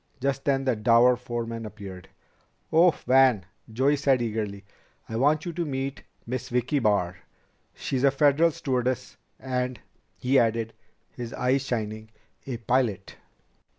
Just then the dour foreman reappeared. "Oh, Van," Joey said eagerly, "I want you to meet Miss Vicki Barr. She's a Federal stewardess and " he added, his eyes shining, "a pilot."